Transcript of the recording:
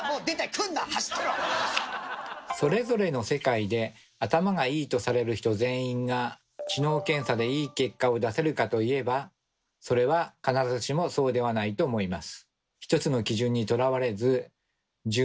それぞれの世界で頭がいいとされる人全員が知能検査でいい結果を出せるかといえばそれは必ずしもそうではないと思います。